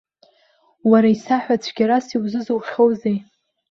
Уара, исаҳәа, цәгьарас иузызухьоузеи?